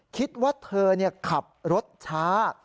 คิดว่าเธอขับรถช้า